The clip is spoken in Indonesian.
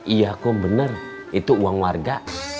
iya kok benar itu uang warga